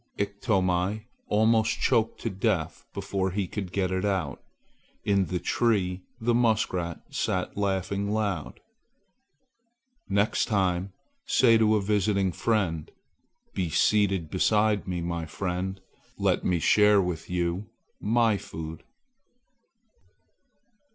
Iktomi almost choked to death before he could get it out. In the tree the muskrat sat laughing loud. "Next time, say to a visiting friend, 'Be seated beside me, my friend. Let me share with you my food.'"